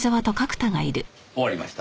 終わりました。